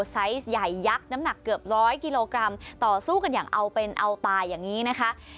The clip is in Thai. ไซส์ใหญ่ยักษ์น้ำหนักเกือบร้อยกิโลกรัมต่อสู้กันอย่างเอาเป็นเอาตายอย่างนี้นะคะ